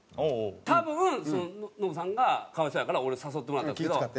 多分ノブさんが可哀想やから俺誘ってもらったんですけど。